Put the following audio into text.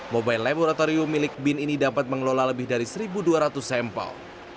mobile laboratorium milik bin ini dapat mengelola lebih dari satu dua ratus sampel